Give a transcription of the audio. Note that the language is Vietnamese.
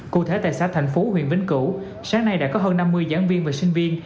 cụ thể tại xã thành phú huyện vĩnh cửu sáng nay đã có hơn năm mươi giảng viên và sinh viên